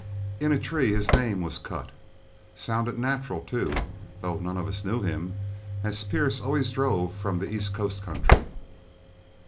In a tree his name was cut sounded natural, too, though none of us knew him, as Pierce always drove from the east coast country.